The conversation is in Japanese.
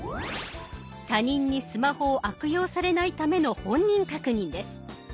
他人にスマホを悪用されないための本人確認です。